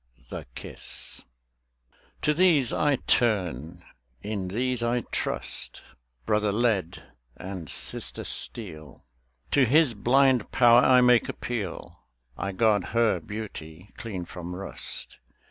THE KISS To these I turn, in these I trust; Brother Lead and Sister Steel. To his blind power I make appeal; I guard her beauty clean from rust.